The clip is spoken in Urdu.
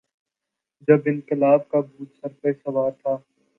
جب انقلاب کا بھوت سر پہ سوار تھا۔